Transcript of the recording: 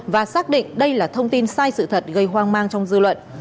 và xác định đây là thông tin sai sự thật gây hoang mang trong dư luận